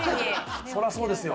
そりゃそうですよ。